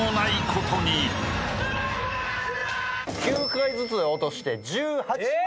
９回ずつ落として１８万円！